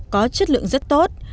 có chất lượng rất tốt